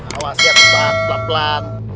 awas ya tempat pelan pelan